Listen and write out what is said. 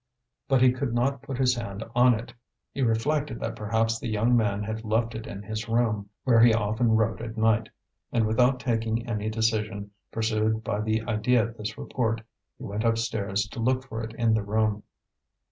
But he could not put his hand on it; he reflected that perhaps the young man had left it in his room, where he often wrote at night, and without taking any decision, pursued by the idea of this report, he went upstairs to look for it in the room.